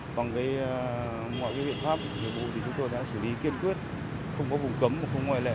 bằng mọi biện pháp chúng tôi đã xử lý kiên quyết không có vùng cấm không có ngoài lệ